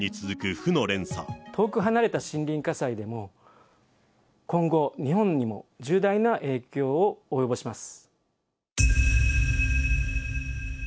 遠く離れた森林火災でも今後、日本にも重大な影響を及ぼします。